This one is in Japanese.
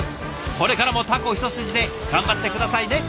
これからもタコ一筋で頑張って下さいね！